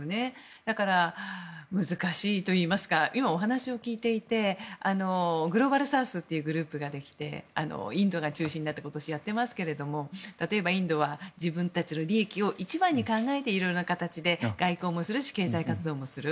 だから、難しいといいますか今、お話を聞いていてグローバルサウスというグループができてインドが中心になって今年やってますけど例えばインドは自分たちの利益を一番に考えていろいろな形で外交もするし経済活動もする。